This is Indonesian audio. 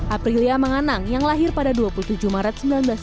aprilia menganang yang lahir pada dua puluh tujuh maret seribu sembilan ratus tujuh puluh